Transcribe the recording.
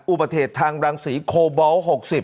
อุปเทศทางรังศรีโคบัล๖๐